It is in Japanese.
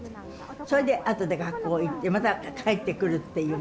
それで後で学校へ行ってまた帰ってくるっていうね